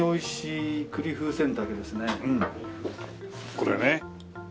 これね。